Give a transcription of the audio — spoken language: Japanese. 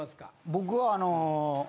僕はあの。